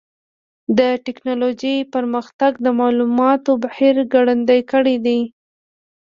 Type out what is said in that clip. د ټکنالوجۍ پرمختګ د معلوماتو بهیر ګړندی کړی دی.